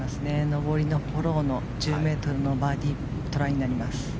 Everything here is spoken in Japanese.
上りのフォローの１０ｍのバーディートライになります。